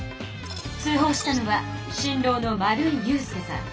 通ほうしたのは新郎の丸井優介さん。